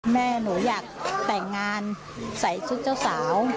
แม่หนูอยากแต่งงานใส่ชุดเจ้าสาว